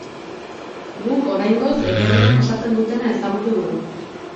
Guk, oraingoz, ederrenek osatzen dutena ezagutu dugu.